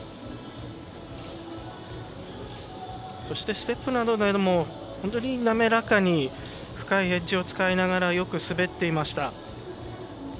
そしてステップなどでも本当に滑らかに、深いエッジを使いながら、よく滑っていました。